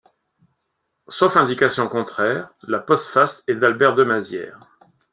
Sauf indication contraire la postface est d'Albert Demazière.